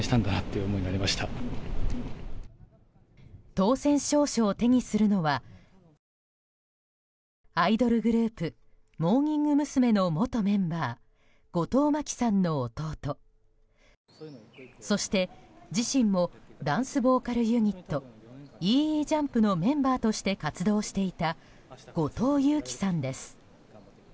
当選証書を手にするのはアイドルグループモーニング娘。の元メンバー後藤真希さんの弟そして自身もダンスボーカルユニットＥＥＪＵＭＰのメンバーとして活動していた後藤祐樹さんです。